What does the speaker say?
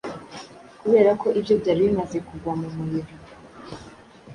Kubera ko ibye byari bimaze kugwa mu muriro